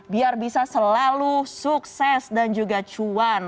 biar bisa selalu sukses dan juga cuan